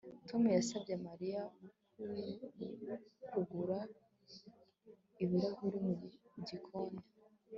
Tom yasabye Mariya gukura ibirahuri mu gikoni